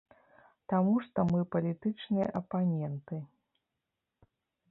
Таму што мы палітычныя апаненты.